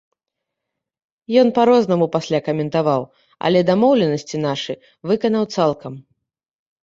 Ён па-рознаму пасля гэта каментаваў, але дамоўленасці нашы выканаў цалкам.